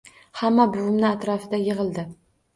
Hamma buvimning atrofiga yig`ildi